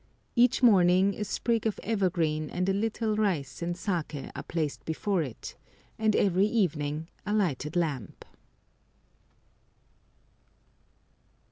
Each morning a sprig of evergreen and a little rice and saké are placed before it, and every evening a lighted lamp.